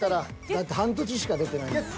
だって半年しか出てないもん。